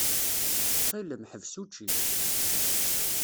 Ttxil-m, ḥbes učči.